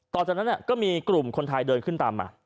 ต่อจากนั้นก็มีกลุ่มคนไทยเดินขึ้นตามมา